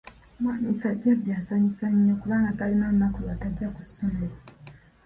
Mwami Sajjabbi ansanyusa nnyo kubanga talina lunaku lwatajja ku ssomero.